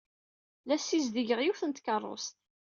La ssizdigeɣ yiwet n tkeṛṛust.